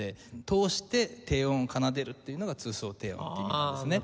通して低音を奏でるっていうのが通奏低音って意味なんですね。